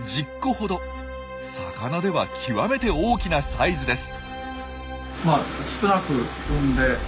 魚では極めて大きなサイズです。